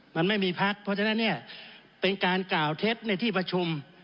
มันไม่มีพักเพราะฉะนั้นเนี่ยเป็นการกล่าวเท็จในที่ประชุม